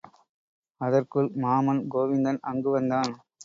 அதற்குள் மாமன் கோவிந்தன் அங்கு வந்தான்.